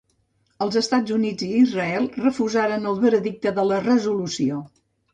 Els Estats Units i Israel refusaren el veredicte de la resolució.